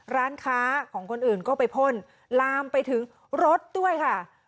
ร้านค้าของคนอื่นก็ไปพ่นลามไปถึงรถด้วยค่ะ